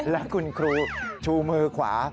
และคุณครูชูมือขวา